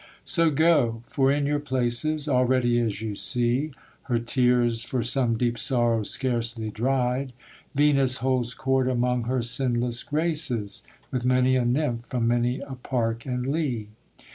So go, for in your places Already, as you see, (Her tears for some deep sorrow scarcely dried), Venus holds court among her sinless graces, With many a nymph from many a park and lea.